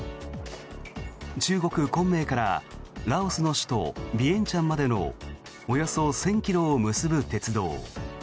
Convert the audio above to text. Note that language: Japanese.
中国・昆明からラオスの首都ビエンチャンまでのおよそ１０００ｋｍを結ぶ鉄道。